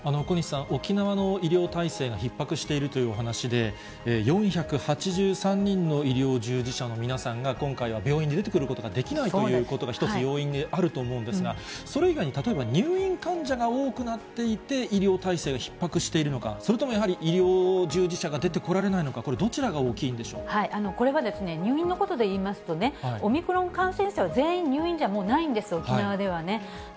小西さん、沖縄の医療体制がひっ迫しているというお話で、４８３人の医療従事者の皆さんが今回は病院に出てくることができないということが一つ要因にあると思うんですが、それ以外に例えば、入院患者が多くなっていて医療体制がひっ迫しているのか、それともやはり医療従事者が出てこられないのか、これ、これは、入院のことでいいますとね、オミクロン感染者は全員入院じゃないんです、沖縄ではね。